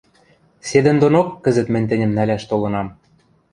Седӹндонок кӹзӹт мӹнь тӹньӹм нӓлӓш толынам.